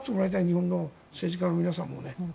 日本の政治家の皆さんも。